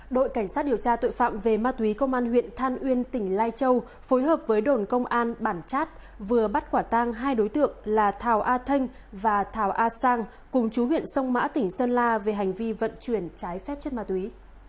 đội cảnh sát điều tra tội phạm về ma túy công an huyện than uyên tỉnh lai châu phối hợp với đồn công an bản chát vừa bắt quả tang hai đối tượng là thảo a thanh và thảo a sang cùng chú huyện sông mã tỉnh sơn la về hành vi vận chuyển trái phép chất ma túy